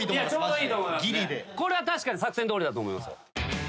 これは確かに作戦どおりだと思いますよ。